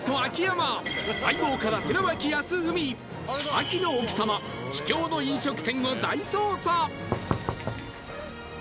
秋の奥多摩秘境の飲食店を大捜査